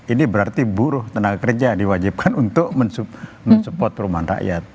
ini berarti buruh tenaga kerja diwajibkan untuk mensupport perumahan rakyat